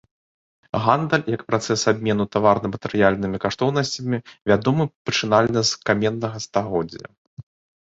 Гандаль, як працэс абмену таварна-матэрыяльнымі каштоўнасцямі, вядомы пачынальна з каменнага стагоддзя.